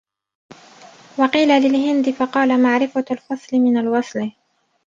وَقِيلَ لِلْهِنْدِيِّ فَقَالَ مَعْرِفَةُ الْفَصْلِ مِنْ الْوَصْلِ